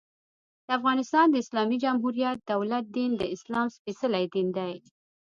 د افغانستان د اسلامي جمهوري دولت دين، د اسلام سپيڅلی دين دى.